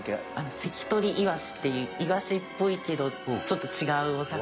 セキトリイワシっていうイワシっぽいけどちょっと違うお魚で。